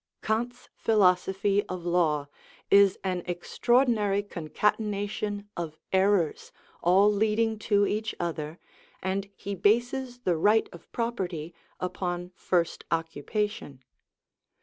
Kant's philosophy of law is an extraordinary concatenation of errors all leading to each other, and he bases the right of property upon first occupation.